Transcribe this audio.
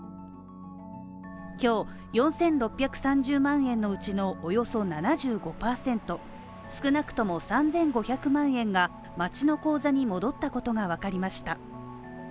今日、４６３０万のうちのおよそ７５％、少なくとも３５００万円が町の口座に戻ったことが分かりました。